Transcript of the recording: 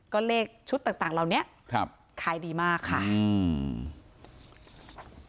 ก็เลขชุดต่างต่างเหล่านี้ครับขายดีมากค่ะอืม